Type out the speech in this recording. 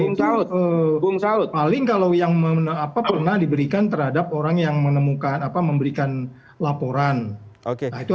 itu paling kalau yang pernah diberikan terhadap orang yang menemukan apa memberikan laporan itu